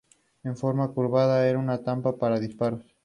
Esta forma curvada era una trampa para disparos.